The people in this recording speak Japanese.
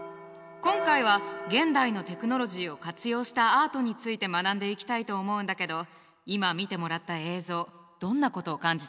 今回は現代のテクノロジーを活用したアートについて学んでいきたいと思うんだけど今見てもらった映像どんなことを感じたかな？